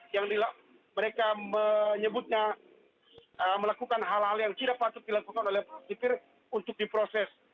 yang mereka menyebutnya melakukan hal hal yang tidak patut dilakukan oleh sipir untuk diproses